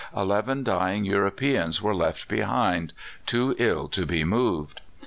Eleven dying Europeans were left behind, too ill to be moved.